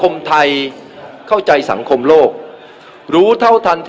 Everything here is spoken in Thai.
ไม่ว่าจะเป็นท่าน